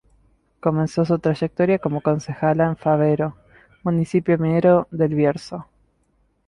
Comenzó su trayectoria como concejala en Fabero, municipio minero del Bierzo.